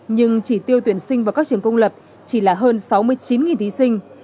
nhưng chỉ tiêu tuyển sinh vào các trường công lập chỉ là hơn sáu mươi chín thí sinh